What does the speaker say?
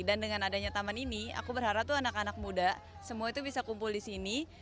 dan dengan adanya taman ini aku berharap anak anak muda semua itu bisa kumpul di sini